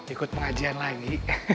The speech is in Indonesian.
ikut pengajian lagi